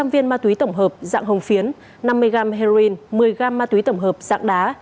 sáu trăm linh viên ma túy tổng hợp dạng hồng phiến năm mươi g heroin một mươi g ma túy tổng hợp dạng đá